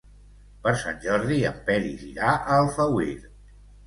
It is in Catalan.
Per Sant Jordi en Peris irà a Alfauir.